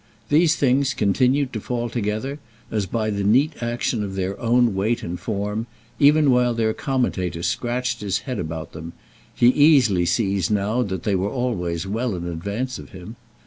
These things continued to fall together, as by the neat action of their own weight and form, even while their commentator scratched his head about them; he easily sees now that they were always well in advance of him.